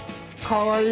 かわいい。